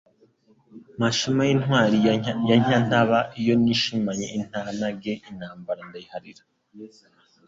Mashema y'intwari ya Nyantaba, iyo nishimanye intanage intambara ndayiharira